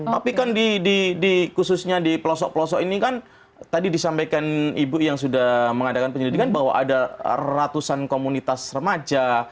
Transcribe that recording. tapi kan khususnya di pelosok pelosok ini kan tadi disampaikan ibu yang sudah mengadakan penyelidikan bahwa ada ratusan komunitas remaja